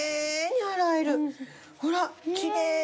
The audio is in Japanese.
ほらきれいに。